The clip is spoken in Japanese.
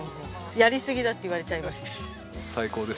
やりすぎだって言われちゃいました。